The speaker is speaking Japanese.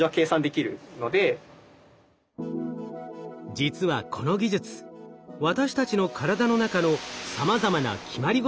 実はこの技術私たちの体の中のさまざまな決まり事を利用しています。